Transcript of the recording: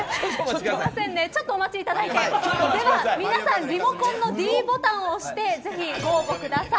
少々お待ちいただいてでは、皆さんリモコンのｄボタンを押してぜひご応募ください。